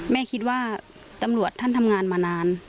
แม่คิดว่าตำรวจท่านทำงานมานาน